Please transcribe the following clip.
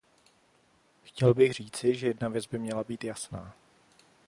Chtěl bych říci, že jedna věc by měla být jasná.